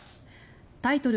タイトル